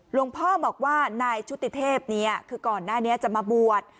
หลวงพ่อบอกว่านายชุติเทพเนี่ยคือก่อนหน้านี้จะมาบวช